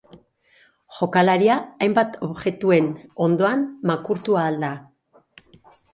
Jokalaria hainbat objektuen ondoan makurtu ahal da.